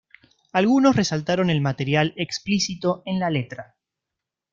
Algunos resaltaron el material explícito en la letra.